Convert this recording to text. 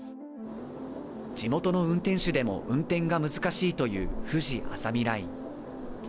地元の運転手でも運転が難しいというふじあざみライン。